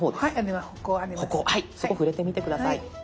そこ触れてみて下さい。